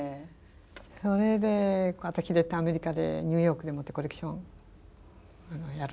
それで私絶対アメリカでニューヨークでもってコレクションやる